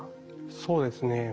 そうですね。